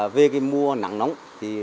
về cái mùa nắng nóng